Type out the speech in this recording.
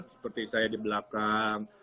seperti saya di belakang